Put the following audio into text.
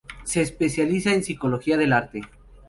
Se especializa en psicología del arte.